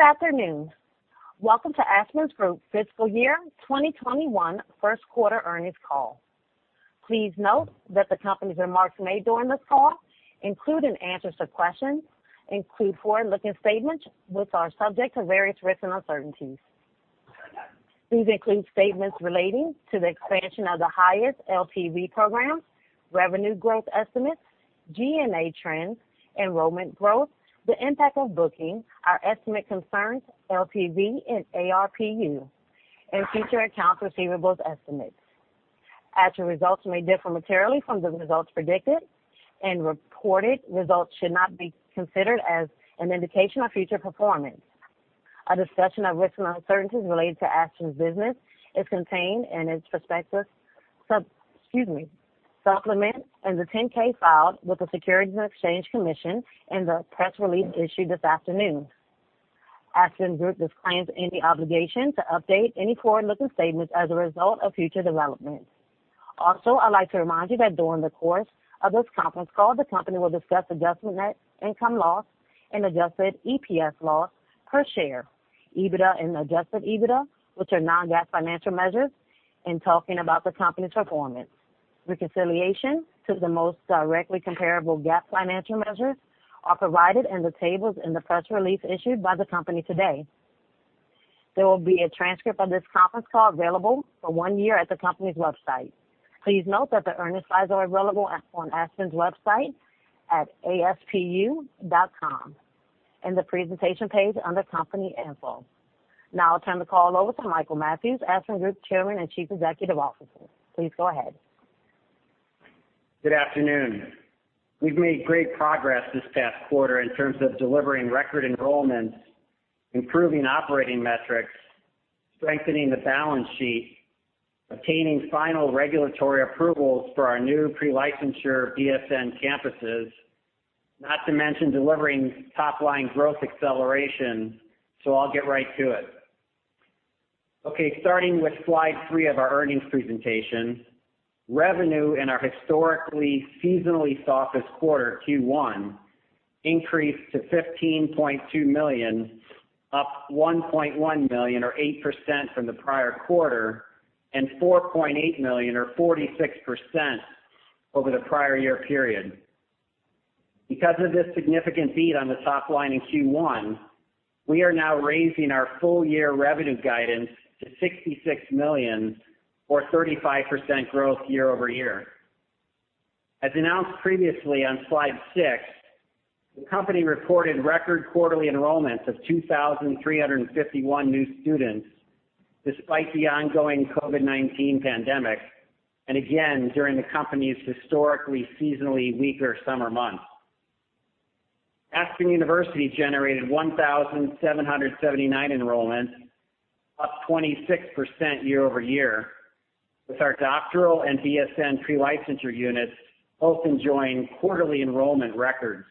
Good afternoon. Welcome to Aspen Group's Fiscal Year 2021 first quarter earnings call. Please note that the company's remarks made during this call, including answers-to-questions, include forward-looking statements which are subject to various risks and uncertainties. These include statements relating to the expansion of the highest LTV programs, revenue growth estimates, G&A trends, enrollment growth, the impact of booking, our estimate concerns, LTV and ARPU, and future accounts receivables estimates. Actual results may differ materially from the results predicted, and reported results should not be considered as an indication of future performance. A discussion of risks and uncertainties related to Aspen's business is contained in its prospectus supplement and the 10-K filed with the Securities and Exchange Commission and the press release issued this afternoon. Aspen Group disclaims any obligation to update any forward-looking statements as a result of future developments. I'd like to remind you that during the course of this conference call, the company will discuss adjusted net income loss and adjusted EPS loss per share, EBITDA and adjusted EBITDA, which are non-GAAP financial measures, in talking about the company's performance. Reconciliation to the most directly comparable GAAP financial measures are provided in the tables in the press release issued by the company today. There will be a transcript of this conference call available for one year at the company's website. Please note that the earnings files are available on Aspen's website at aspu.com, in the presentation page under Company Info. Now, I'll turn the call over to Michael Mathews, Aspen Group Chairman and Chief Executive Officer. Please go ahead. Good afternoon. We've made great progress this past quarter in terms of delivering record enrollments, improving operating metrics, strengthening the balance sheet, obtaining final regulatory approvals for our new Pre-Licensure BSN campuses, not to mention delivering top-line growth acceleration. I'll get right to it. Starting with slide three of our earnings presentation. Revenue in our historically seasonally softest quarter, Q1, increased to $15.2 million, up $1.1 million or 8% from the prior quarter and $4.8 million or 46% over the prior year period. Because of this significant beat on the top-line in Q1, we are now raising our full year revenue guidance to $66 million, or 35% growth year-over-year. As announced previously on slide six, the company reported record quarterly enrollments of 2,351 new students despite the ongoing COVID-19 pandemic, and again, during the company's historically seasonally weaker summer months. Aspen University generated 1,779 enrollments, up 26% year-over-year, with our doctoral and BSN Pre-Licensure units both enjoying quarterly enrollment records.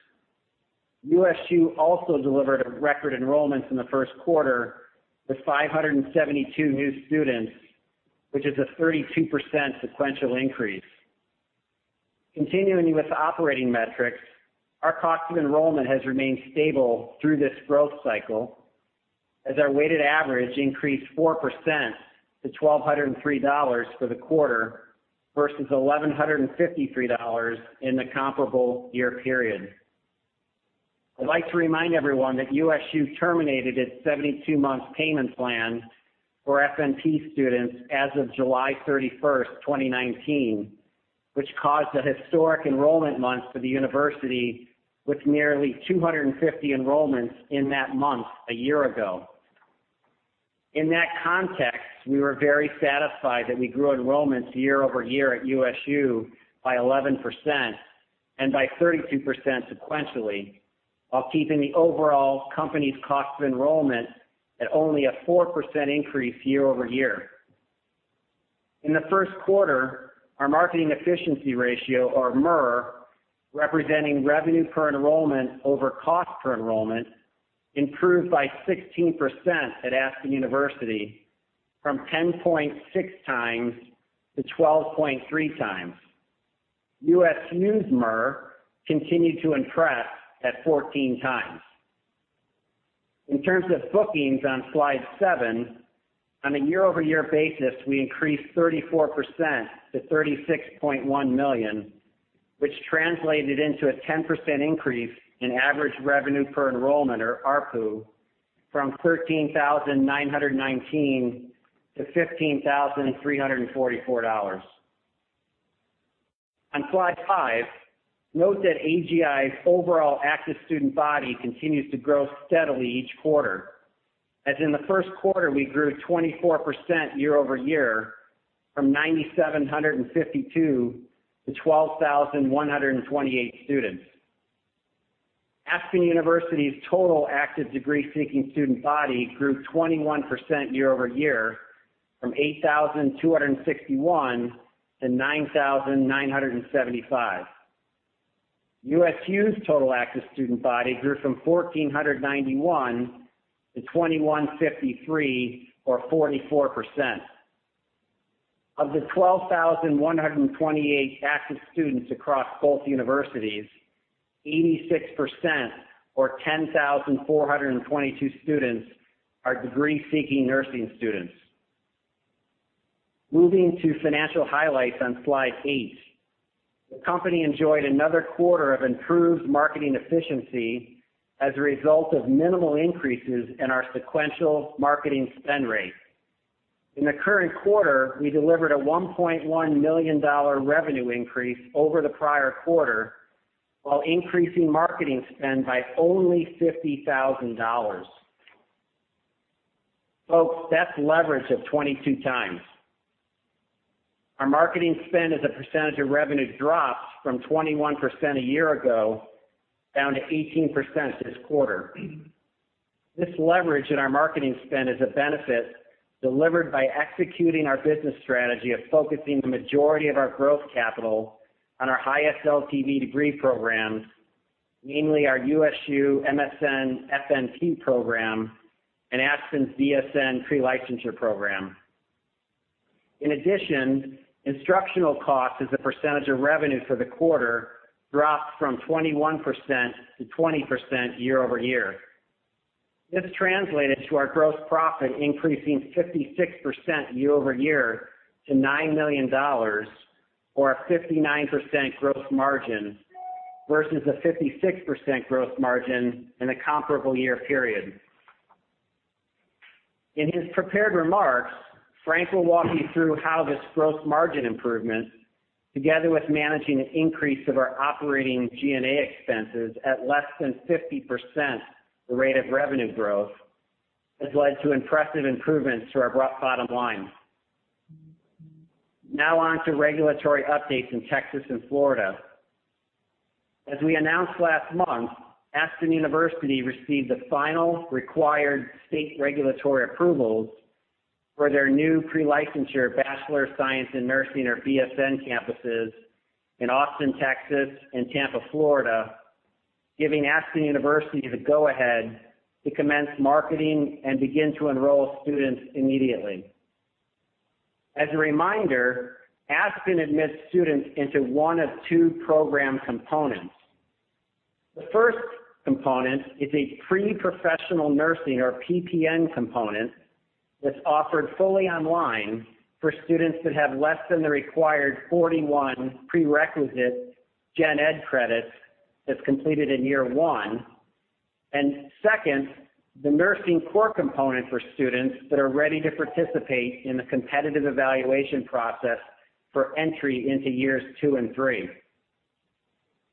USU also delivered record enrollments in the first quarter with 572 new students, which is a 32% sequential increase. Continuing with operating metrics, our cost of enrollment has remained stable through this growth cycle as our weighted average increased 4% to $1,203 for the quarter versus $1,153 in the comparable year period. I'd like to remind everyone that USU terminated its 72-month payment plan for FNP students as of July 31st, 2019, which caused a historic enrollment month for the university with nearly 250 enrollments in that month, a year ago. In that context, we were very satisfied that we grew enrollments year-over-year at USU by 11% and by 32% sequentially, while keeping the overall company's cost of enrollment at only a 4% increase year-over-year. In the first quarter, our marketing efficiency ratio, or MER, representing revenue per enrollment over cost per enrollment, improved by 16% at Aspen University from 10.6x to 12.3x. USU's MER continued to impress at 14x. In terms of bookings on slide seven, on a year-over-year basis, we increased 34% to $36.1 million, which translated into a 10% increase in average revenue per enrollment or ARPU from $13,919 to $15,344. On slide five, note that AGI's overall active student body continues to grow steadily each quarter, as in the first quarter, we grew 24% year-over-year from 9,752 to 12,128 students. Aspen University's total active degree-seeking student body grew 21% year-over-year from 8,261 to 9,975. USU's total active student body grew from 1,491 to 2,153 or 44%. Of the 12,128 active students across both universities, 86% or 10,422 students are degree-seeking nursing students. Moving to financial highlights on Slide eight. The company enjoyed another quarter of improved marketing efficiency as a result of minimal increases in our sequential marketing spend rate. In the current quarter, we delivered a $1.1 million revenue increase over the prior quarter, while increasing marketing spend by only $50,000. Folks, that's leverage of 22x. Our marketing spend as a percentage of revenue dropped from 21% a year ago, down to 18% this quarter. This leverage in our marketing spend is a benefit delivered by executing our business strategy of focusing the majority of our growth capital on our high LTV degree programs, namely our USU MSN-FNP program and Aspen's PL-BSN program. In addition, instructional cost as a percentage of revenue for the quarter dropped from 21% to 20% year-over-year. This translated to our gross profit increasing 56% year-over-year to $9 million, or a 59% gross margin versus a 56% gross margin in the comparable year period. In his prepared remarks, Frank will walk you through how this gross margin improvement, together with managing an increase of our operating G&A expenses at less than 50% the rate of revenue growth, has led to impressive improvements to our bottom line. On to regulatory updates in Texas and Florida. As we announced last month, Aspen University received the final required state regulatory approvals for their new Pre-Licensure Bachelor of Science in Nursing or BSN campuses in Austin, Texas, and Tampa, Florida, giving Aspen University the go-ahead to commence marketing and begin to enroll students immediately. As a reminder, Aspen admits students into one of two program components. The first component is a Pre-Professional Nursing or PPN component that's offered fully online for students that have less than the required 41 prerequisite gen ed credits that's completed in year one, and second, the nursing core component for students that are ready to participate in the competitive evaluation process for entry into years two and three.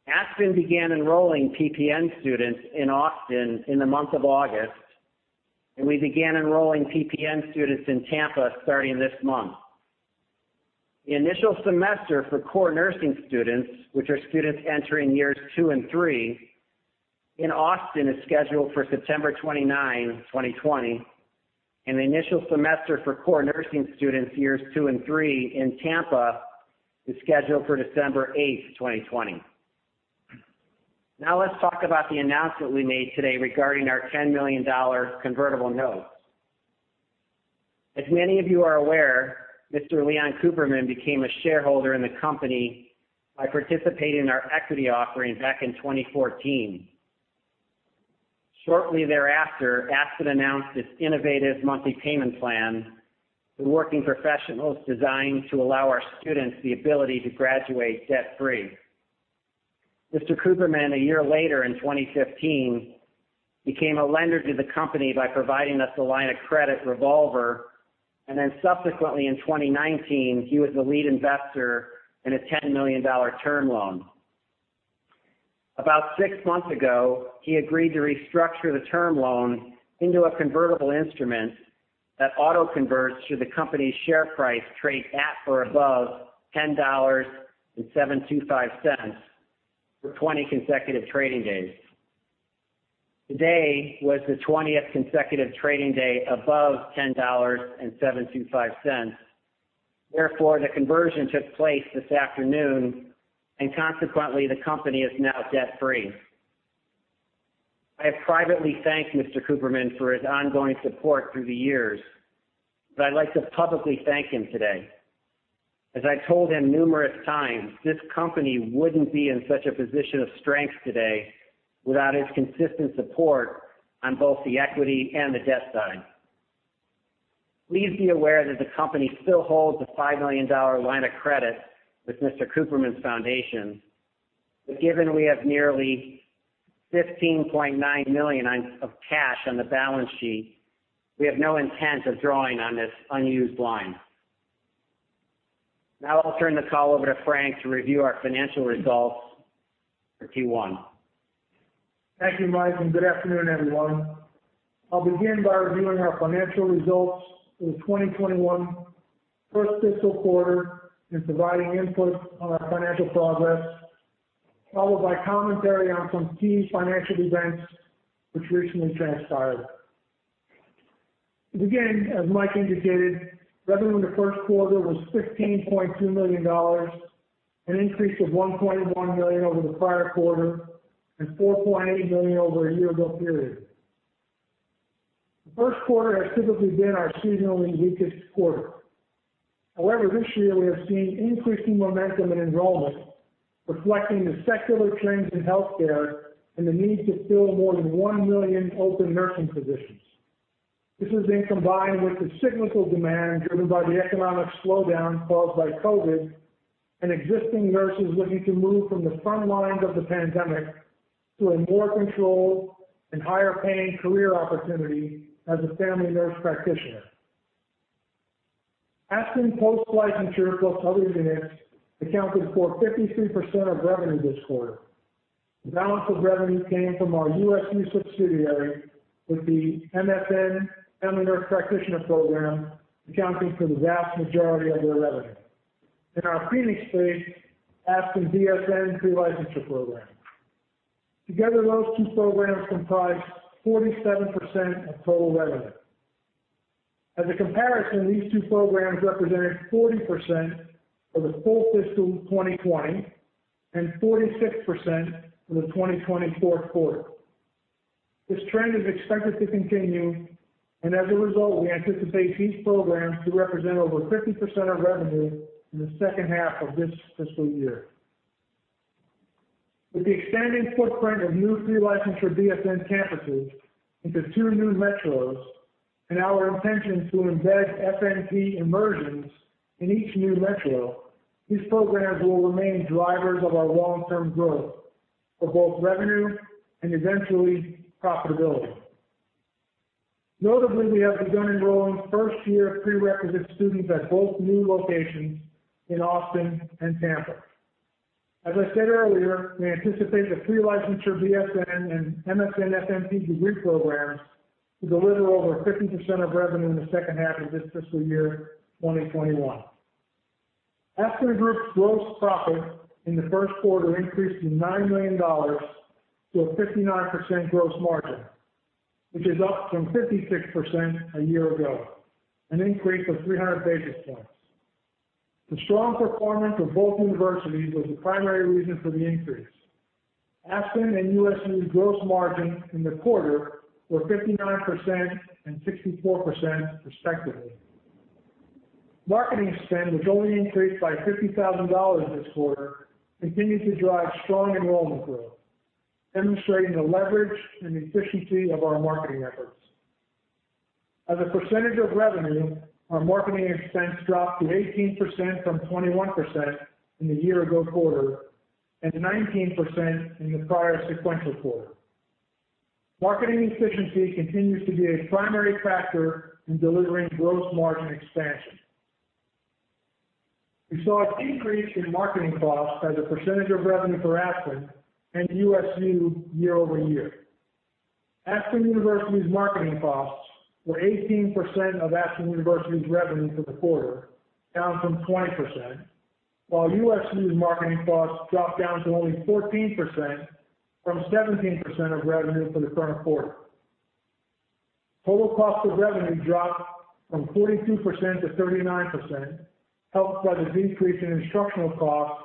Aspen began enrolling PPN students in Austin in the month of August, and we began enrolling PPN students in Tampa starting this month. The initial semester for core nursing students, which are students entering years two and three in Elwood, is scheduled for September 29, 2020, and the initial semester for core nursing students years two and three in Tampa is scheduled for December 8, 2020. Now let's talk about the announcement we made today regarding our $10 million convertible note. As many of you are aware, Mr. Leon Cooperman became a shareholder in the company by participating in our equity offering back in 2014. Shortly thereafter, Aspen announced its innovative monthly payment plan for working professionals designed to allow our students the ability to graduate debt-free. Mr. Cooperman, a year later in 2015, became a lender to the company by providing us a line of credit revolver, and then subsequently in 2019, he was the lead investor in a $10 million term loan. About six months ago, he agreed to restructure the term loan into a convertible instrument that auto-converts should the company's share price trade at or above $10.725 for 20 consecutive trading days. Today was the 20th consecutive trading day above $10.725. The conversion took place this afternoon, and consequently, the company is now debt-free. I have privately thanked Mr. Cooperman for his ongoing support through the years, but I'd like to publicly thank him today. As I've told him numerous times, this company wouldn't be in such a position of strength today without his consistent support on both the equity and the debt side. Please be aware that the company still holds a $5 million line of credit with Mr. Cooperman's foundation, but given we have nearly $15.9 million of cash on the balance sheet, we have no intent of drawing on this unused line. Now I'll turn the call over to Frank to review our financial results for Q1. Thank you, Mike. Good afternoon, everyone. I'll begin by reviewing our financial results for the 2021 first fiscal quarter and providing input on our financial progress, followed by commentary on some key financial events which recently transpired. To begin, as Mike indicated, revenue in the first quarter was $15.2 million, an increase of $1.1 million over the prior quarter and $4.8 million over a year ago period. The first quarter has typically been our seasonally weakest quarter. However, this year we are seeing increasing momentum in enrollment, reflecting the secular trends in healthcare and the need to fill more than 1 million open nursing positions. This has been combined with the cyclical demand driven by the economic slowdown caused by COVID, and existing nurses looking to move from the front lines of the pandemic to a more controlled and higher-paying career opportunity as a family nurse practitioner. Aspen post-licensure plus other units accounted for 53% of revenue this quarter. The balance of revenue came from our United States University subsidiary with the MSN Family Nurse Practitioner program accounting for the vast majority of their revenue. In our Phoenix-based, Aspen BSN pre-licensure program. Together, those two programs comprise 47% of total revenue. As a comparison, these two programs represented 40% of the full fiscal 2020, and 46% of the 2020 fourth quarter. This trend is expected to continue, and as a result, we anticipate these programs to represent over 50% of revenue in the second half of this fiscal year. With the expanding footprint of new pre-licensure BSN campuses into two new metros, and our intentions to embed FNP immersions in each new metro, these programs will remain drivers of our long-term growth for both revenue and eventually profitability. Notably, we have begun enrolling first-year prerequisite students at both new locations in Austin and Tampa. As I said earlier, we anticipate the Pre-Licensure BSN and MSN-FNP degree programs to deliver over 50% of revenue in the second half of this fiscal year 2021. Aspen Group's gross profit in the first quarter increased to $9 million to a 59% gross margin, which is up from 56% a year ago, an increase of 300 basis points. The strong performance of both universities was the primary reason for the increase. Aspen and USU gross margin in the quarter were 59% and 64% respectively. Marketing spend, which only increased by $50,000 this quarter, continues to drive strong enrollment growth, demonstrating the leverage and efficiency of our marketing efforts. As a percentage of revenue, our marketing expense dropped to 18% from 21% in the year-ago quarter, and 19% in the prior sequential quarter. Marketing efficiency continues to be a primary factor in delivering gross margin expansion. We saw a decrease in marketing costs as a percentage of revenue for Aspen and USU year-over-year. Aspen University's marketing costs were 18% of Aspen University's revenue for the quarter, down from 20%, while USU's marketing costs dropped down to only 14%, from 17% of revenue for the current quarter. Total cost of revenue dropped from 42% to 39%, helped by the decrease in instructional costs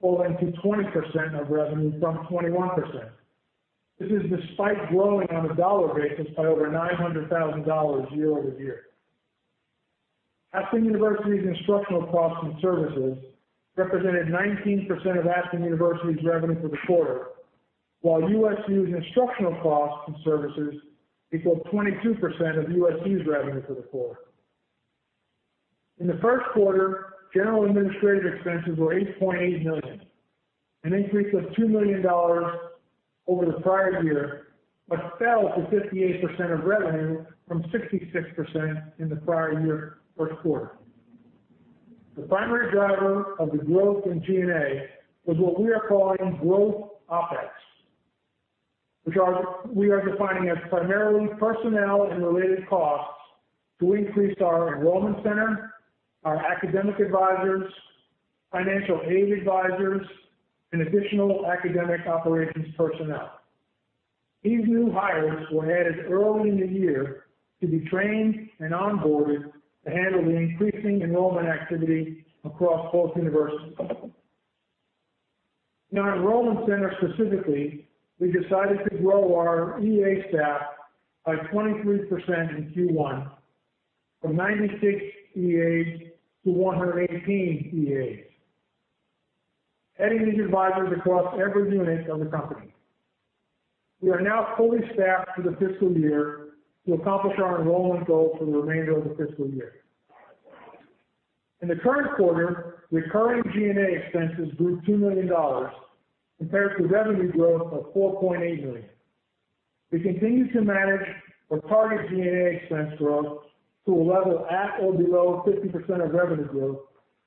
falling to 20% of revenue from 21%. This is despite growing on a dollar basis by over $900,000 year-over-year. Aspen University's instructional costs and services represented 19% of Aspen University's revenue for the quarter, while USU's instructional costs and services equaled 22% of USU's revenue for the quarter. In the first quarter, General and Administrative expenses were $8.8 million, an increase of $2 million over the prior year, but fell to 58% of revenue from 66% in the prior year first quarter. The primary driver of the growth in G&A was what we are calling growth OPEX, which we are defining as primarily personnel and related costs to increase our enrollment center, our academic advisors, financial aid advisors, and additional academic operations personnel. These new hires were added early in the year to be trained and onboarded to handle the increasing enrollment activity across both universities. In our enrollment center specifically, we decided to grow our EA staff by 23% in Q1 from 96 EAs to 118 EAs, adding these advisors across every unit of the company. We are now fully staffed for the fiscal year to accomplish our enrollment goals for the remainder of the fiscal year. In the current quarter, recurring G&A expenses grew $2 million compared to revenue growth of $4.8 million. We continue to manage or target G&A expense growth to a level at or below 50% of revenue growth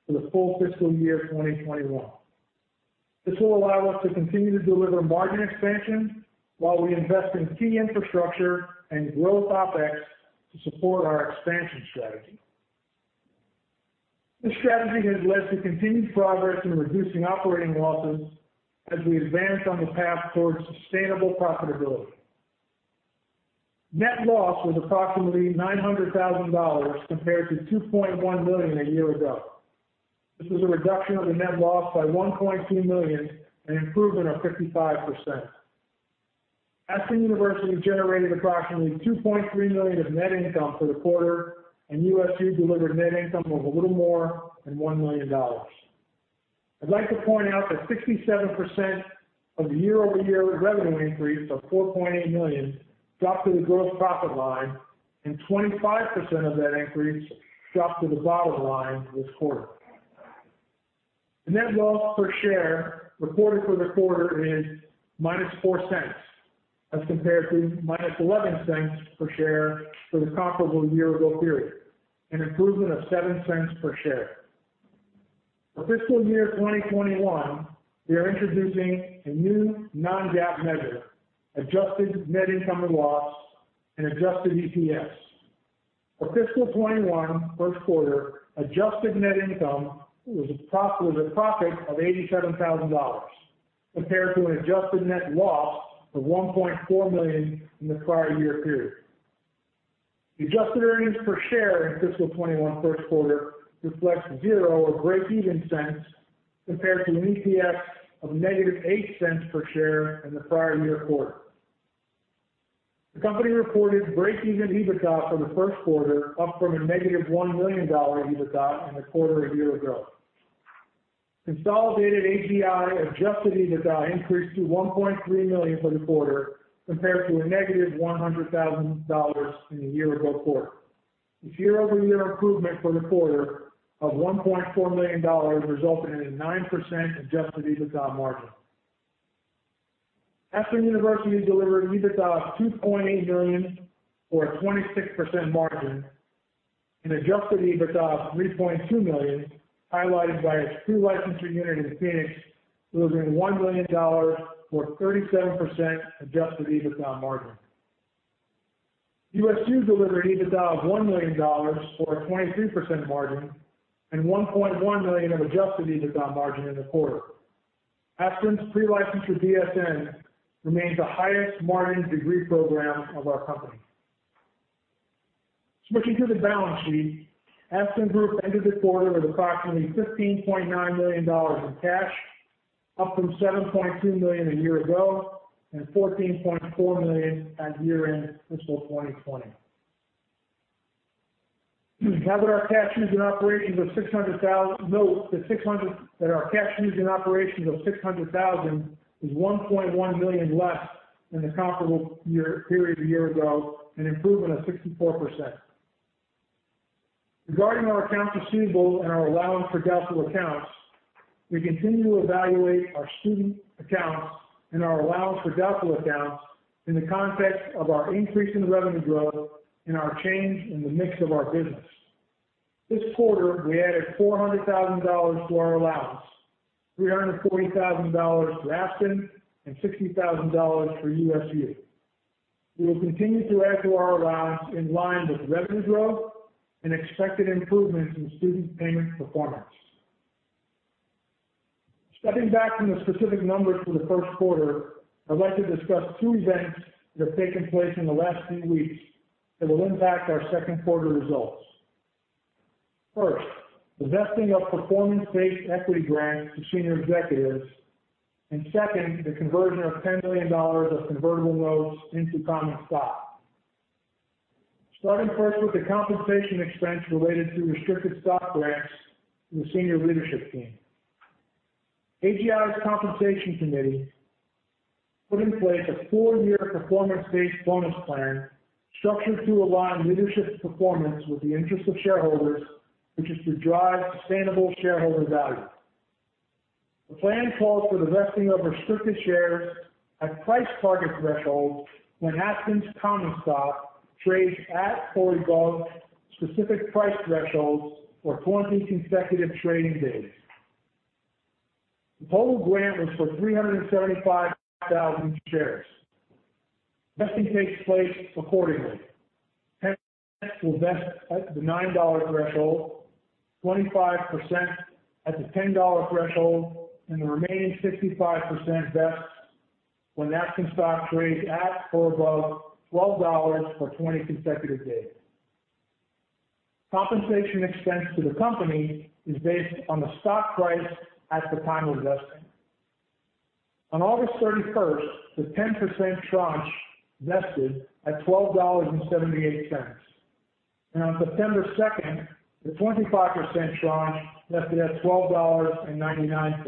for the full fiscal year 2021. This will allow us to continue to deliver margin expansion while we invest in key infrastructure and growth OPEX to support our expansion strategy. This strategy has led to continued progress in reducing operating losses as we advance on the path towards sustainable profitability. Net loss was approximately $900,000 compared to $2.1 million a year ago. This is a reduction of the net loss by $1.2 million, an improvement of 55%. Aspen University generated approximately $2.3 million of net income for the quarter, and USU delivered net income of a little more than $1 million. I'd like to point out that 67% of the year-over-year revenue increase of $4.8 million dropped to the gross profit line, and 25% of that increase dropped to the bottom line this quarter. The net loss per share reported for the quarter is minus $0.04 as compared to minus $0.11 per share for the comparable year-ago period, an improvement of $0.07 per share. For fiscal year 2021, we are introducing a new non-GAAP measure, adjusted net income loss and adjusted EPS. For fiscal 2021 first quarter, adjusted net income was a profit of $87,000, compared to an adjusted net loss of $1.4 million in the prior year period. The adjusted earnings per share in fiscal 2021 first quarter reflects zero or breakeven cents, compared to an EPS of negative $0.08 per share in the prior year quarter. The company reported breakeven EBITDA for the first quarter, up from a negative $1 million EBITDA in the quarter a year ago. Consolidated AGI adjusted EBITDA increased to $1.3 million for the quarter compared to a negative $100,000 in the year-ago quarter. This year-over-year improvement for the quarter of $1.4 million resulted in a 9% adjusted EBITDA margin. Aspen University delivered EBITDA of $2.8 million or a 26% margin, an adjusted EBITDA of $3.2 million, highlighted by its pre-licensure unit in Phoenix, delivering $1 million or 37% adjusted EBITDA margin. USU delivered EBITDA of $1 million or a 23% margin and $1.1 million of adjusted EBITDA margin in the quarter. Aspen's pre-licensure BSN remains the highest margin degree program of our company. Switching to the balance sheet, Aspen Group ended the quarter with approximately $15.9 million in cash, up from $7.2 million a year ago and $14.4 million at year-end fiscal 2020. Note that our cash used in operations of $600,000 is $1.1 million less than the comparable period a year ago, an improvement of 64%. Regarding our accounts receivable and our allowance for doubtful accounts, we continue to evaluate our student accounts and our allowance for doubtful accounts in the context of our increase in revenue growth and our change in the mix of our business. This quarter, we added $400,000 to our allowance, $340,000 to Aspen and $60,000 for USU. We will continue to add to our allowance in line with revenue growth and expected improvements in student payment performance. Stepping back from the specific numbers for the first quarter, I'd like to discuss two events that have taken place in the last few weeks that will impact our second quarter results. First, the vesting of performance-based equity grants to senior executives, and second, the conversion of $10 million of convertible notes into common stock. Starting first with the compensation expense related to restricted stock grants to the senior leadership team. AGI's compensation committee put in place a four-year performance-based bonus plan structured to align leadership's performance with the interest of shareholders, which is to drive sustainable shareholder value. The plan calls for the vesting of restricted shares at price target thresholds when Aspen's common stock trades at or above specific price thresholds for 20 consecutive trading days. The total grant was for 375,000 shares. Vesting takes place accordingly. 10% will vest at the $9 threshold, 25% at the $10 threshold, and the remaining 65% vests when Aspen stock trades at or above $12 for 20 consecutive days. Compensation expense to the company is based on the stock price at the time of vesting. On August 31st, the 10% tranche vested at $12.78. On September 2nd, the 25% tranche vested at $12.99.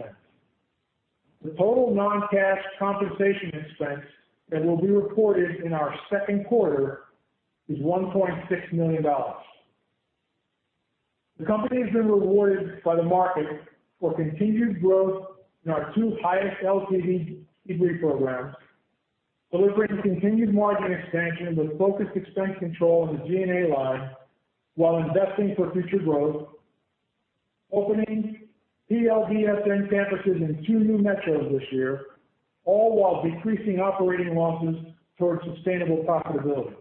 The total non-cash compensation expense that will be reported in our second quarter is $1.6 million. The company has been rewarded by the market for continued growth in our two highest LTV degree programs, delivering continued margin expansion with focused expense control in the G&A line while investing for future growth, opening PL-BSN campuses in two new metros this year, all while decreasing operating losses towards sustainable profitability.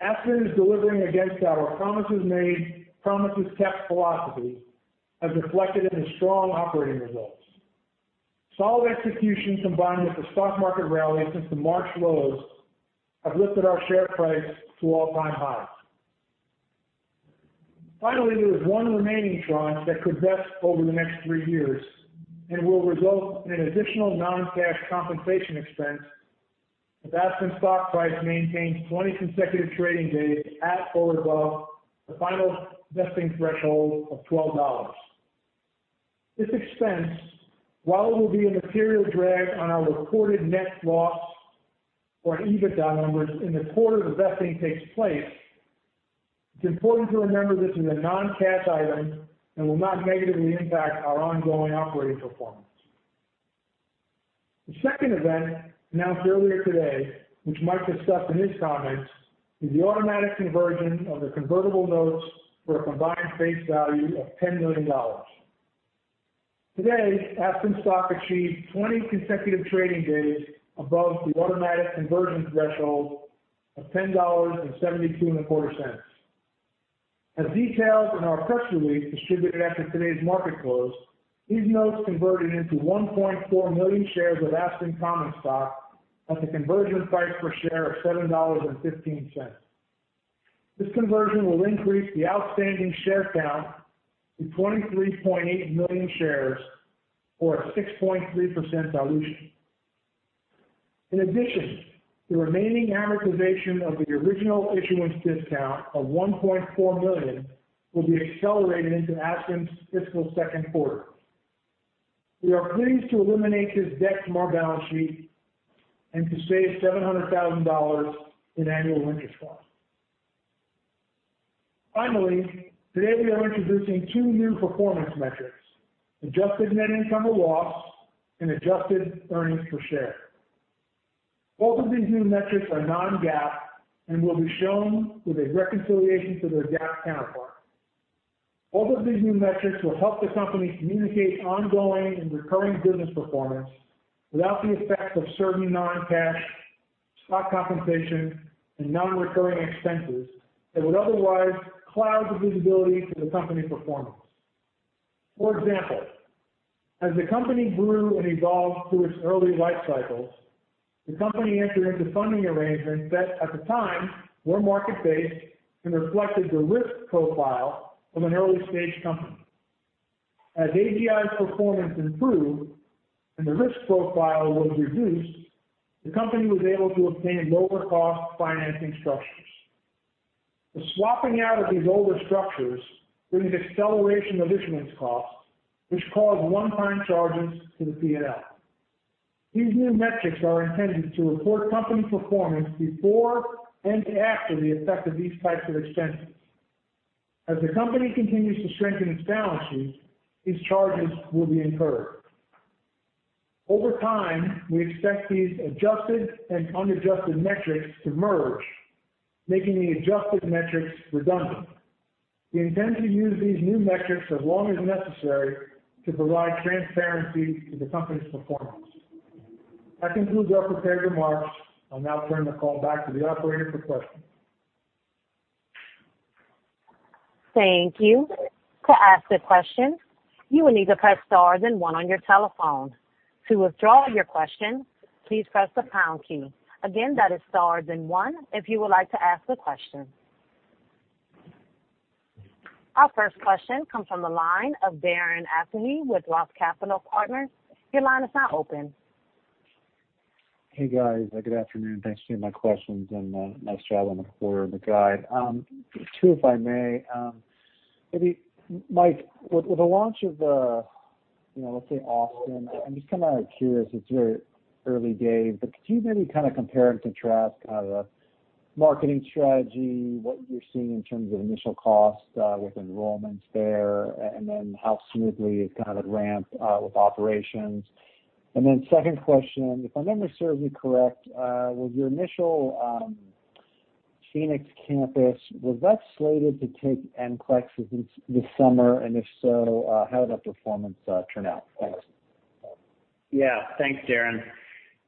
Aspen is delivering against our promises made, promises kept philosophy as reflected in the strong operating results. Solid execution combined with the stock market rally since the March lows have lifted our share price to all-time highs. Finally, there is one remaining tranche that could vest over the next three years and will result in an additional non-cash compensation expense if Aspen stock price maintains 20 consecutive trading days at or above the final vesting threshold of $12. This expense, while it will be a material drag on our reported net loss or EBITDA numbers in the quarter the vesting takes place, it's important to remember this is a non-cash item and will not negatively impact our ongoing operating performance. The second event, announced earlier today, which Mike discussed in his comments, is the automatic conversion of the convertible notes for a combined face value of $10 million. Today, Aspen stock achieved 20 consecutive trading days above the automatic conversion threshold of $10.725. As detailed in our press release distributed after today's market close, these notes converted into 1.4 million shares of Aspen common stock at the conversion price per share of $7.15. This conversion will increase the outstanding share count to 23.8 million shares or a 6.3% dilution. In addition, the remaining amortization of the original issuance discount of $1.4 million will be accelerated into Aspen's fiscal second quarter. We are pleased to eliminate this debt from our balance sheet and to save $700,000 in annual interest costs. Finally, today we are introducing two new performance metrics, adjusted net income or loss and adjusted earnings per share. Both of these new metrics are non-GAAP and will be shown with a reconciliation to their GAAP counterpart. Both of these new metrics will help the company communicate ongoing and recurring business performance without the effect of certain non-cash stock compensation and non-recurring expenses that would otherwise cloud the visibility to the company performance. For example, as the company grew and evolved through its early life cycles, the company entered into funding arrangements that, at the time, were market-based and reflected the risk profile of an early-stage company. As AGI's performance improved and the risk profile was reduced, the company was able to obtain lower-cost financing structures. The swapping out of these older structures brings acceleration of issuance costs, which cause one-time charges to the P&L. These new metrics are intended to report company performance before and after the effect of these types of expenses. As the company continues to strengthen its balance sheet, these charges will be incurred. Over time, we expect these adjusted and unadjusted metrics to merge, making the adjusted metrics redundant. We intend to use these new metrics as long as necessary to provide transparency to the company's performance. That concludes our prepared remarks. I'll now turn the call back to the operator for questions. Thank you. To ask a question, you will need to press star then one on your telephone. To withdraw your question, please press the pound key. Again, that is star then one if you would like to ask a question. Our first question comes from the line of Darren Aftahi with Roth Capital Partners. Your line is now open. Hey, guys. Good afternoon. Thanks for taking my questions, and nice job on the quarter and the guide. Two, if I may. Maybe, Michael, with the launch of, let's say, Austin, I'm just curious. It's very early days, but could you maybe compare and contrast the marketing strategy, what you're seeing in terms of initial cost with enrollments there, and then how smoothly it ramped with operations? Second question, if I remember serves me correct, with your initial Phoenix campus, was that slated to take NCLEX this summer? If so, how did that performance turn out? Thanks. Yeah. Thanks, Darren.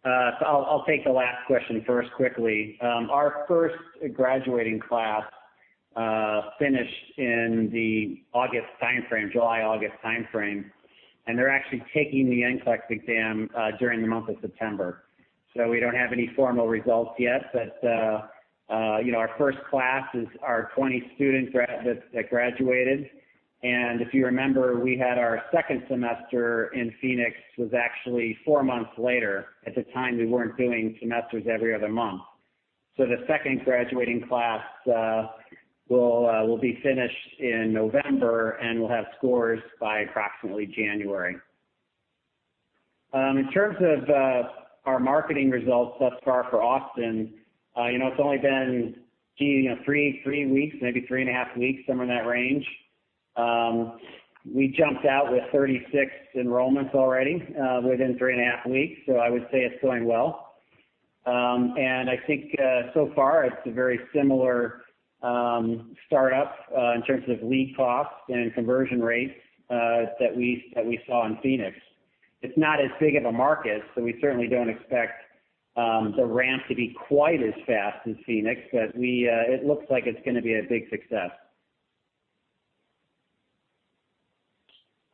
I'll take the last question first quickly. Our first graduating class finished in the July, August timeframe, and they're actually taking the NCLEX exam during the month of September. We don't have any formal results yet. Our first class is our 20 students that graduated. If you remember, we had our second semester in Phoenix was actually four months later. At the time, we weren't doing semesters every other month. The second graduating class will be finished in November, and we'll have scores by approximately January. In terms of our marketing results thus far for Austin, it's only been, gee, three weeks, maybe three and a half weeks, somewhere in that range. We jumped out with 36 enrollments already within three and a half weeks, so I would say it's going well. I think so far it's a very similar startup in terms of lead costs and conversion rates that we saw in Phoenix. It's not as big of a market, so we certainly don't expect the ramp to be quite as fast as Phoenix, but it looks like it's going to be a big success.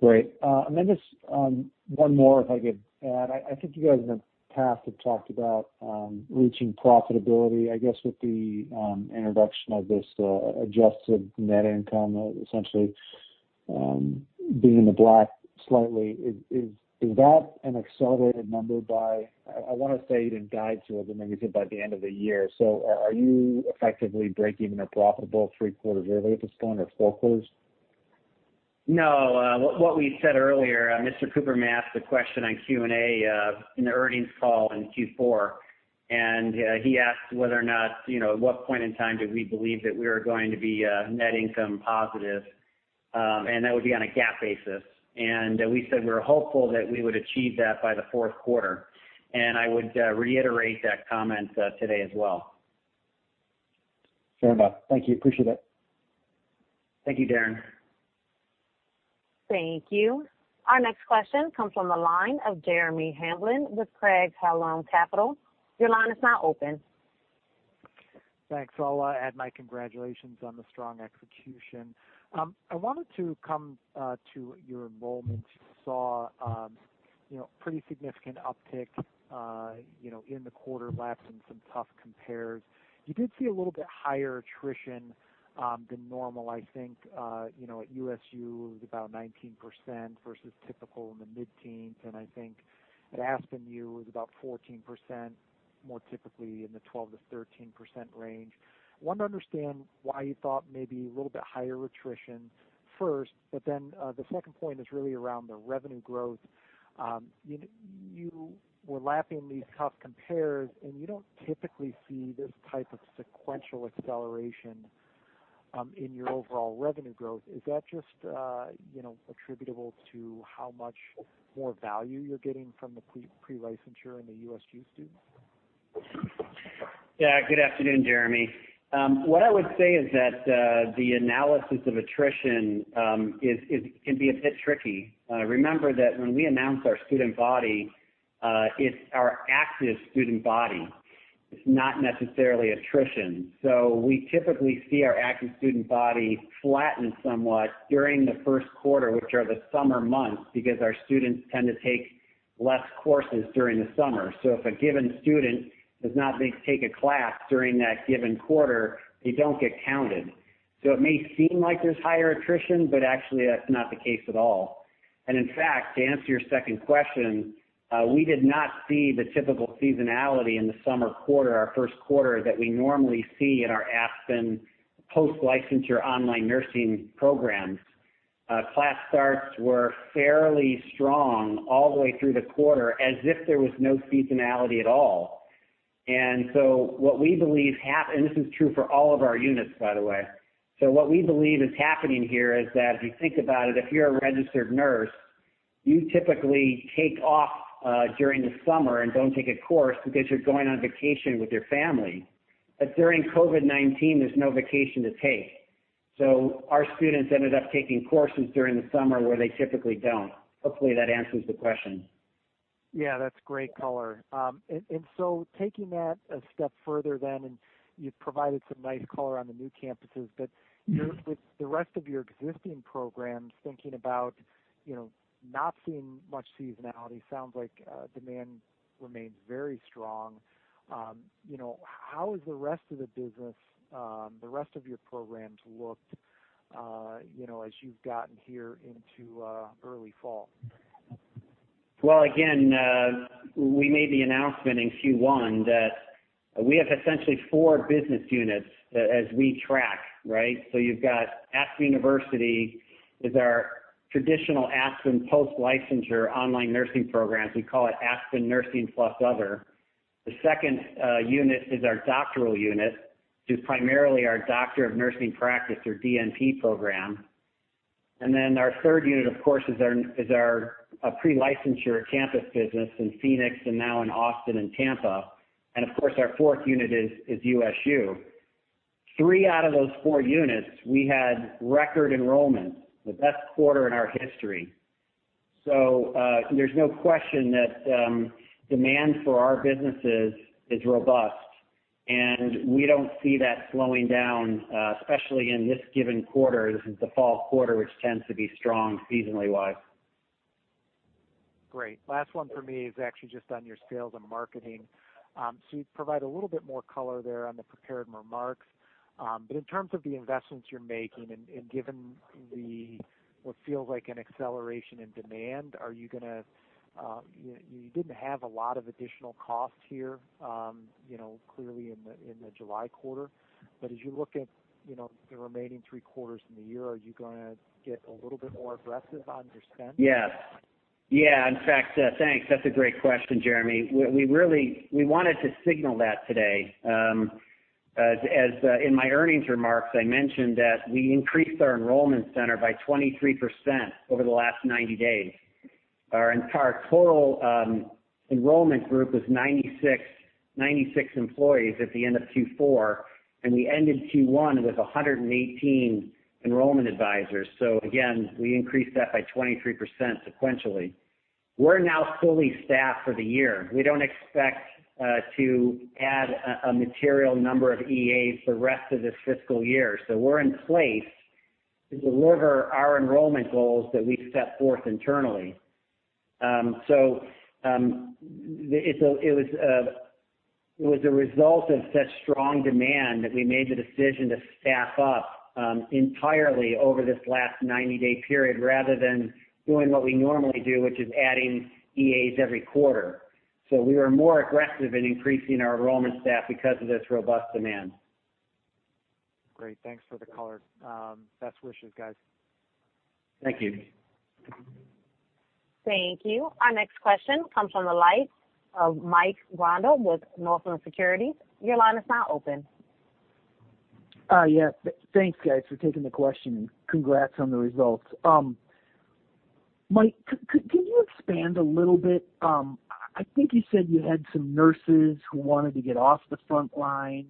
Great. Just one more, if I could add. I think you guys in the past have talked about reaching profitability, I guess, with the introduction of this adjusted net income, essentially, being in the black slightly. Is that an accelerated number by, I want to say you didn't guide to it, but then you said by the end of the year. Are you effectively breaking or profitable 3Q early at this point or 4Q? No. What we said earlier, Leon Cooperman may have asked the question on Q&A, in the earnings call in Q4. He asked at what point in time do we believe that we are going to be net income positive, and that would be on a GAAP basis. We said we were hopeful that we would achieve that by the fourth quarter. I would reiterate that comment today as well. Fair enough. Thank you. Appreciate it. Thank you, Darren. Thank you. Our next question comes from the line of Jeremy Hamblin with Craig-Hallum Capital. Your line is now open. Thanks. I'll add my congratulations on the strong execution. I wanted to come to your enrollments. You saw pretty significant uptick in the quarter laps and some tough compares. You did see a little bit higher attrition than normal, I think, at USU, it was about 19% versus typical in the mid-teens. I think at AspenU, it was about 14%, more typically in the 12%-13% range. Wanted to understand why you thought maybe a little bit higher attrition first. The second point is really around the revenue growth. You were lapping these tough compares. You don't typically see this type of sequential acceleration in your overall revenue growth. Is that just attributable to how much more value you're getting from the pre-licensure and the USU students? Good afternoon, Jeremy. What I would say is that the analysis of attrition can be a bit tricky. Remember that when we announce our student body, it's our active student body. It's not necessarily attrition. We typically see our active student body flatten somewhat during the first quarter, which are the summer months, because our students tend to take less courses during the summer. If a given student does not take a class during that given quarter, they don't get counted. It may seem like there's higher attrition, but actually, that's not the case at all. In fact, to answer your second question, we did not see the typical seasonality in the summer quarter, our first quarter, that we normally see in our Aspen post-licensure online nursing programs. Class starts were fairly strong all the way through the quarter, as if there was no seasonality at all. This is true for all of our units, by the way. What we believe is happening here is that if you think about it, if you're a registered nurse, you typically take off during the summer and don't take a course because you're going on vacation with your family. During COVID-19, there's no vacation to take. Our students ended up taking courses during the summer where they typically don't. Hopefully that answers the question. Yeah, that's great color. Taking that a step further then, and you've provided some nice color on the new campuses, but with the rest of your existing programs, thinking about not seeing much seasonality, sounds like demand remains very strong. How has the rest of the business, the rest of your programs looked as you've gotten here into early fall? Again, we made the announcement in Q1 that we have essentially four business units as we track, right? You've got Aspen University is our traditional Aspen post-licensure online nursing programs. We call it Aspen Nursing plus other. The second unit is our doctoral unit, which is primarily our Doctor of Nursing Practice or DNP program. Our third unit, of course, is our pre-licensure campus business in Phoenix and now in Austin and Tampa. Of course, our fourth unit is USU. three out of those four units, we had record enrollments, the best quarter in our history. There's no question that demand for our businesses is robust, and we don't see that slowing down, especially in this given quarter. This is the fall quarter, which tends to be strong seasonally wise. Great. Last one for me is actually just on your sales and marketing. You provide a little bit more color there on the prepared remarks. In terms of the investments you're making and given what feels like an acceleration in demand, you didn't have a lot of additional costs here clearly in the July quarter. As you look at the remaining three quarters in the year, are you going to get a little bit more aggressive on your spend? Yes. In fact, thanks. That's a great question, Jeremy. We wanted to signal that today. In my earnings remarks, I mentioned that we increased our enrollment center by 23% over the last 90 days. Our entire total enrollment group was 96 employees at the end of Q4, and we ended Q1 with 118 enrollment advisors. Again, we increased that by 23% sequentially. We're now fully staffed for the year. We don't expect to add a material number of EAs the rest of this fiscal year. We're in place to deliver our enrollment goals that we set forth internally. It was a result of such strong demand that we made the decision to staff up entirely over this last 90-day period rather than doing what we normally do, which is adding EAs every quarter. We were more aggressive in increasing our enrollment staff because of this robust demand. Great. Thanks for the color. Best wishes, guys. Thank you. Thank you. Our next question comes from the line of Mike Grondahl with Northland Securities. Thanks, guys, for taking the question, and congrats on the results. Michael, could you expand a little bit? I think you said you had some nurses who wanted to get off the front line,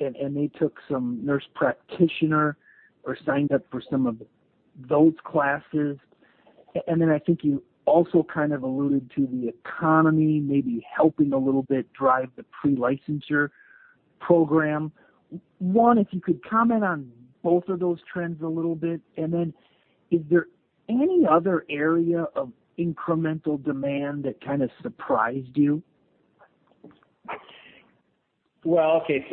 and they took some nurse practitioner or signed up for some of those classes. Then I think you also kind of alluded to the economy maybe helping a little bit drive the PL-BSN program. One, if you could comment on both of those trends a little bit, and then is there any other area of incremental demand that kind of surprised you? Well, okay.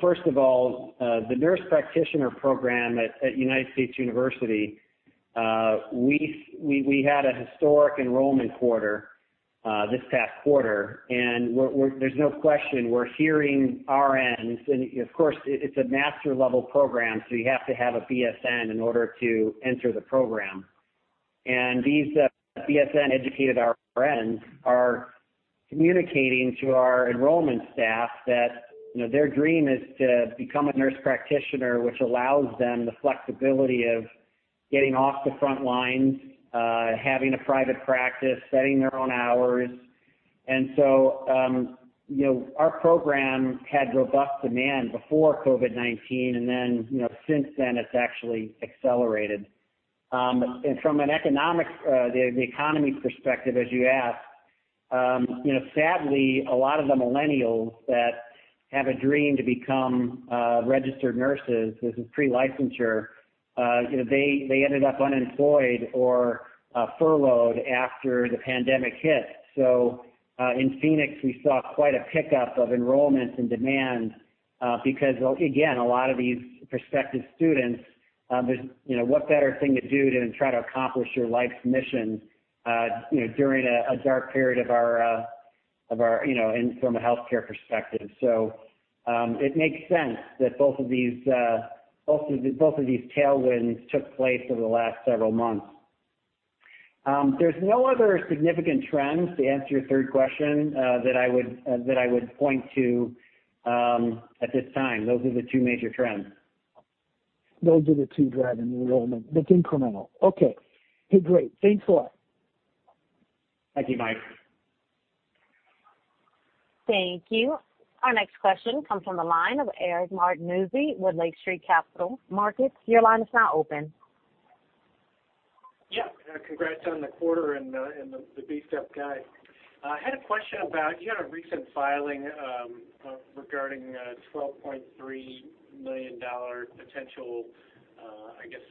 First of all, the nurse practitioner program at United States University, we had a historic enrollment quarter this past quarter, and there's no question we're hearing RNs. Of course, it's a master level program, so you have to have a BSN in order to enter the program. These BSN-educated RNs are communicating to our enrollment staff that their dream is to become a nurse practitioner, which allows them the flexibility of getting off the front lines, having a private practice, setting their own hours. Our program had robust demand before COVID-19, and then, since then, it's actually accelerated. From the economy perspective, as you ask, sadly, a lot of the millennials that have a dream to become registered nurses, this is pre-licensure, they ended up unemployed or furloughed after the pandemic hit. In Phoenix, we saw quite a pickup of enrollments and demand, because, again, a lot of these prospective students, what better thing to do than try to accomplish your life's mission during a dark period from a healthcare perspective. It makes sense that both of these tailwinds took place over the last several months. There's no other significant trends, to answer your third question, that I would point to at this time. Those are the two major trends. Those are the two driving the enrollment. That's incremental. Okay. Great. Thanks a lot. Thank you, Mike. Thank you. Our next question comes from the line of Eric Martinuzzi with Lake Street Capital Markets. Your line is now open. Yeah. Congrats on the quarter and the step-up guide. I had a question about, you had a recent filing regarding a $12.3 million potential, I guess,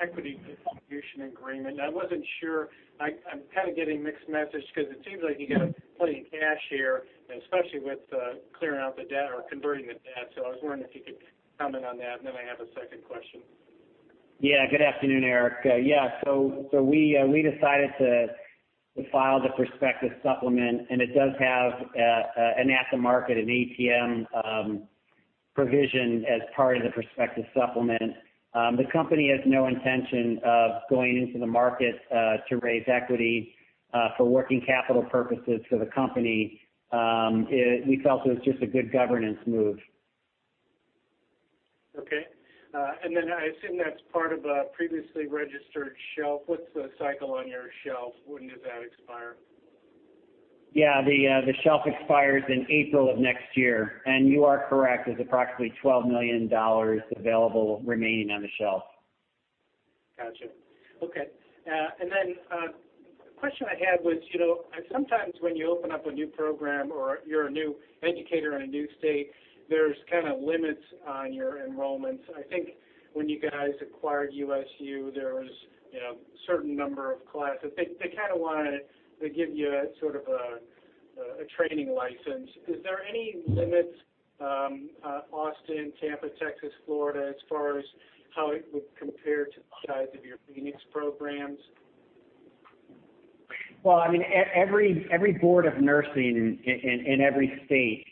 equity contribution agreement, and I wasn't sure. I'm kind of getting mixed message because it seems like you got plenty of cash here, and especially with clearing out the debt or converting the debt. I was wondering if you could comment on that, and then I have a second question. Yeah. Good afternoon, Eric. Yeah, we decided to file the prospectus supplement, and it does have an at-the-market, an ATM provision as part of the prospectus supplement. The company has no intention of going into the market to raise equity for working capital purposes for the company. We felt it was just a good governance move. Okay. I assume that's part of a previously registered shelf. What's the cycle on your shelf? When does that expire? Yeah, the shelf expires in April of next year, and you are correct. There is approximately $12 million available remaining on the shelf. Got you. Okay. The question I had was, sometimes when you open up a new program or you're a new educator in a new state, there's kind of limits on your enrollments. I think when you guys acquired USU, there was a certain number of classes. They kind of want to give you a sort of a training license. Is there any limits, Austin, Tampa, Texas, Florida, as far as how it would compare to the size of your Phoenix programs? Well, every Board of Nursing in every state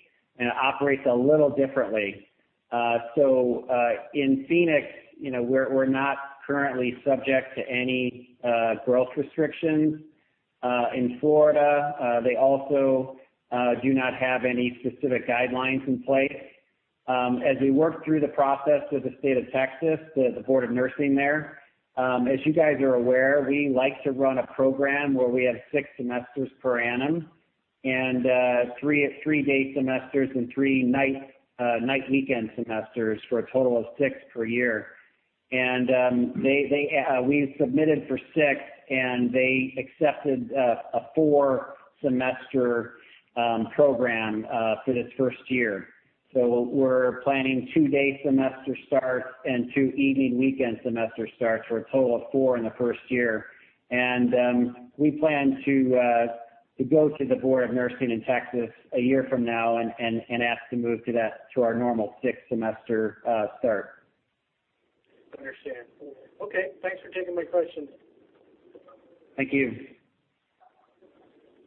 operates a little differently. In Phoenix, we're not currently subject to any growth restrictions. In Florida, they also do not have any specific guidelines in place. As we work through the process with the state of Texas, the Board of Nursing there, as you guys are aware, we like to run a program where we have six semesters per annum, three day semesters and three night weekend semesters for a total of six per year. We submitted for six, and they accepted a four semester program for this first year. We're planning two day semester starts and two evening weekend semester starts for a total of four in the first year. We plan to go to the Board of Nursing in Texas a year from now and ask to move to our normal six-semester start. Understand. Okay. Thanks for taking my questions. Thank you.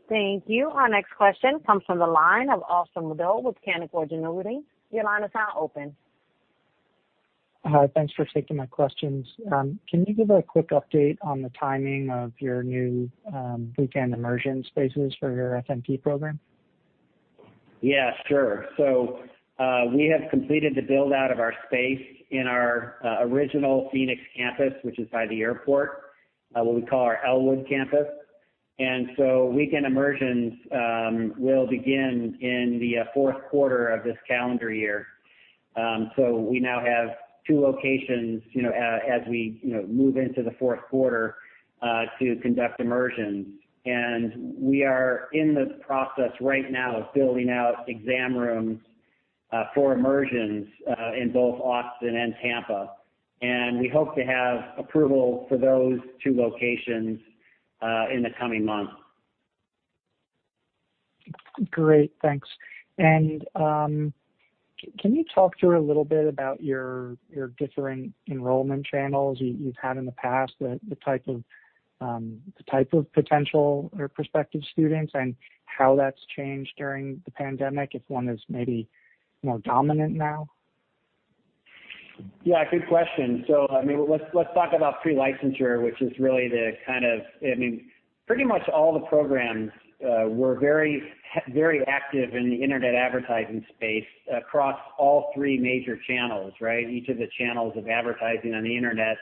Thank you. Our next question comes from the line of Austin Moeller with Canaccord Genuity. Your line is now open. Hi, thanks for taking my questions. Can you give a quick update on the timing of your new weekend immersion spaces for your FNP program? Yeah, sure. We have completed the build-out of our space in our original Phoenix campus, which is by the airport, what we call our Elwood campus. Weekend immersions will begin in the fourth quarter of this calendar year. We now have two locations, as we move into the fourth quarter, to conduct immersions. We are in the process right now of building out exam rooms for immersions in both Austin and Tampa. We hope to have approval for those two locations in the coming months. Great, thanks. Can you talk through a little bit about your differing enrollment channels you've had in the past, the type of potential or prospective students, and how that's changed during the pandemic, if one is maybe more dominant now? Yeah, good question. Let's talk about Pre-Licensure. Pretty much all the programs were very active in the internet advertising space across all three major channels, right? Each of the channels of advertising on the internet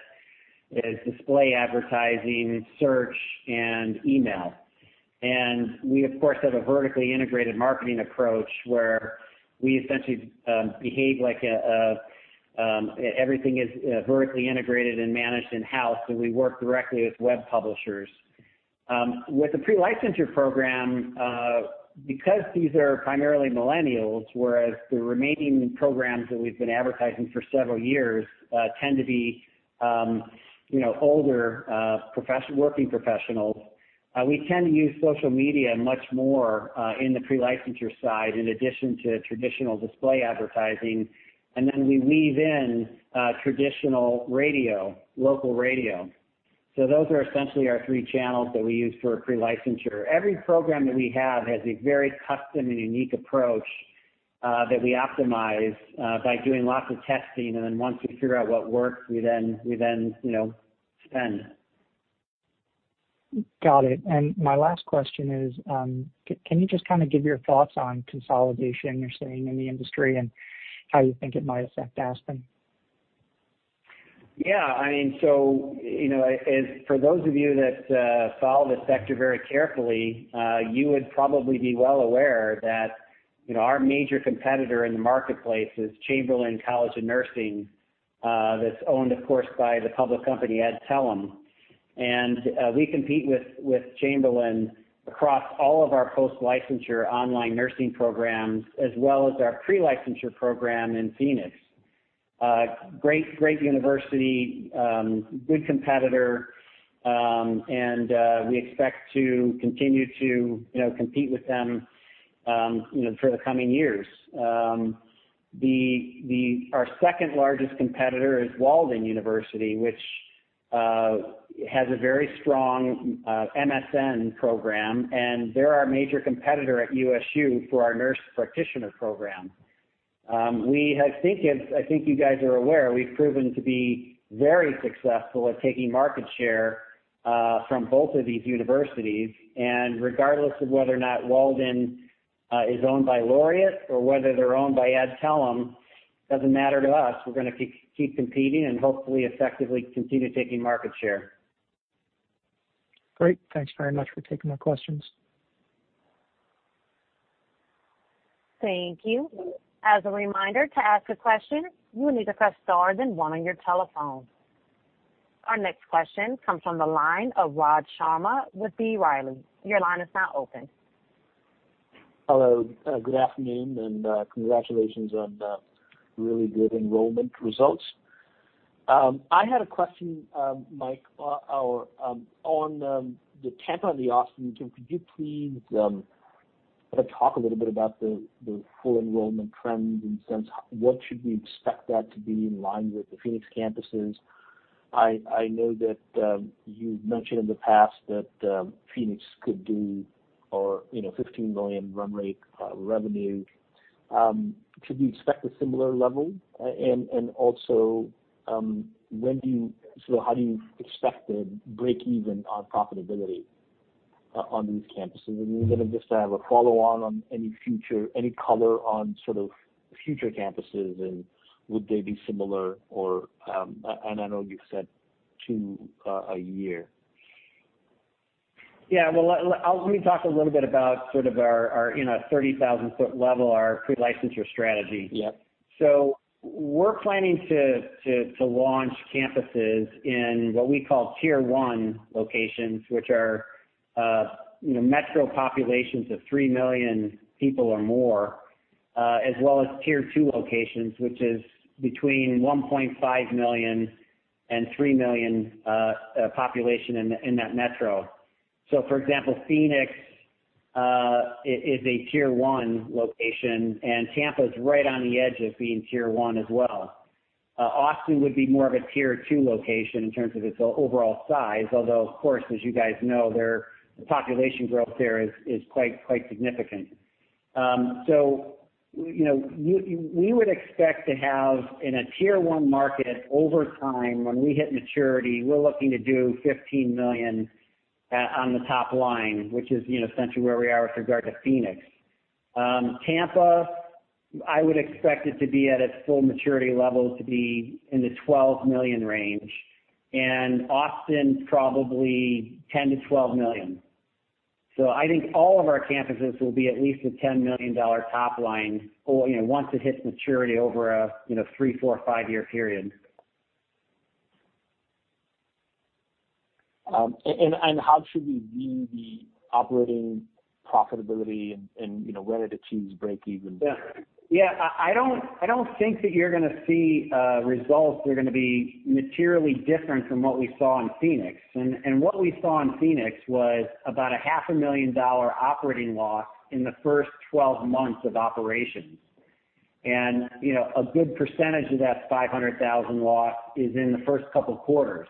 is display advertising, search, and email. We, of course, have a vertically integrated marketing approach where we essentially behave like everything is vertically integrated and managed in-house. We work directly with web publishers. With the Pre-Licensure program, because these are primarily millennials, whereas the remaining programs that we've been advertising for several years tend to be older working professionals, we tend to use social media much more in the Pre-Licensure side, in addition to traditional display advertising. We weave in traditional radio, local radio. Those are essentially our three channels that we use for Pre-Licensure. Every program that we have has a very custom and unique approach that we optimize by doing lots of testing. Once we figure out what works, we then spend. Got it. My last question is, can you just kind of give your thoughts on consolidation you're seeing in the industry, and how you think it might affect Aspen? For those of you that follow the sector very carefully, you would probably be well aware that our major competitor in the marketplace is Chamberlain University, that's owned, of course, by the public company Adtalem. We compete with Chamberlain across all of our post-licensure online nursing programs, as well as our pre-licensure program in Phoenix. Great university, good competitor, and we expect to continue to compete with them for the coming years. Our second largest competitor is Walden University, which has a very strong MSN program, and they're our major competitor at USU for our nurse practitioner program. I think you guys are aware, we've proven to be very successful at taking market share from both of these universities. Regardless of whether or not Walden is owned by Laureate or whether they're owned by Adtalem, doesn't matter to us. We're going to keep competing and hopefully effectively continue taking market share. Great. Thanks very much for taking my questions. Thank you. As a reminder, to ask a question, you will need to press star then one on your telephone. Our next question comes from the line of Raj Sharma with B. Riley. Your line is now open. Hello, good afternoon. Congratulations on the really good enrollment results. I had a question, Mike, on the Tampa and the Austin. Could you please talk a little bit about the full enrollment trends, in sense, what should we expect that to be in line with the Phoenix campuses? I know that you've mentioned in the past that Phoenix could do $15 million run rate revenue. Should we expect a similar level? Also, how do you expect to break even on profitability on these campuses? Then just to have a follow on any color on sort of future campuses, and would they be similar? I know you've said two a year. Yeah. Well, let me talk a little bit about our 30,000-foot level, our pre-licensure strategy. Yep. We're planning to launch campuses in what we call Tier 1 locations, which are metro populations of 3 million people or more, as well as Tier 2 locations, which is between 1.5 million and 3 million population in that metro. For example, Phoenix is a Tier 1 location, and Tampa's right on the edge of being Tier 1 as well. Austin would be more of a Tier 2 location in terms of its overall size, although of course, as you guys know, the population growth there is quite significant. We would expect to have in a Tier 1 market-over-time when we hit maturity, we're looking to do $15 million on the top line, which is essentially where we are with regard to Phoenix. Tampa, I would expect it to be at its full maturity level to be in the $12 million range, and Austin, probably $10 million-$12 million. I think all of our campuses will be at least a $10 million top line, once it hits maturity over a three, four, five-year period. How should we view the operating profitability and when it achieves breakeven? Yeah. I don't think that you're going to see results that are going to be materially different from what we saw in Phoenix. What we saw in Phoenix was about a half a million dollar operating loss in the first 12 months of operations. A good percentage of that $500,000 loss is in the first couple of quarters.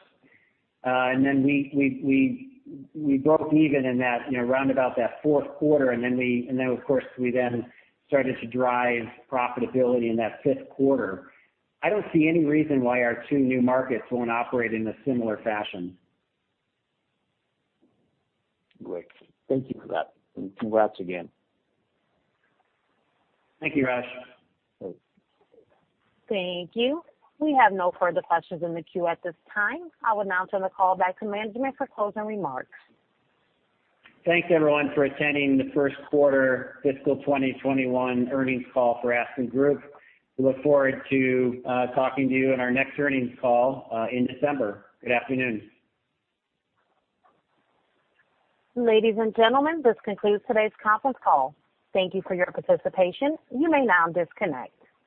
We broke even in that, around about that fourth quarter, and then, of course, we then started to drive profitability in that fifth quarter. I don't see any reason why our two new markets won't operate in a similar fashion. Great. Thank you for that, and congrats again. Thank you, Raj. Thanks. Thank you. We have no further questions in the queue at this time. I'll now turn the call back to management for closing remarks. Thanks, everyone, for attending the first quarter fiscal 2021 earnings call for Aspen Group. We look forward to talking to you on our next earnings call in December. Good afternoon. Ladies and gentlemen, this concludes today's conference call. Thank you for your participation. You may now disconnect.